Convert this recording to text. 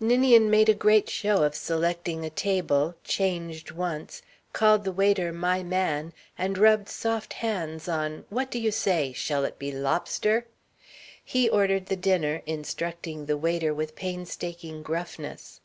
Ninian made a great show of selecting a table, changed once, called the waiter "my man" and rubbed soft hands on "What do you say? Shall it be lobster?" He ordered the dinner, instructing the waiter with painstaking gruffness.